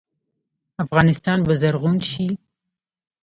افغانستان به زرغون شي؟